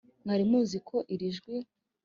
mwari muzi ko iri jwi